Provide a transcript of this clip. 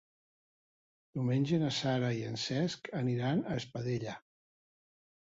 Diumenge na Sara i en Cesc aniran a Espadella.